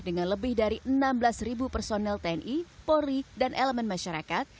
dengan lebih dari enam belas personel tni polri dan elemen masyarakat